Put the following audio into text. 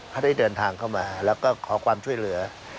เขาได้เดินทางเข้ามาแล้วก็ขอความช่วยเหลือ